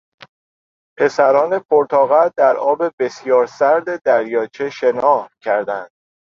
پسران پرطاقت در آب بسیار سرد دریاچه شنا کردند.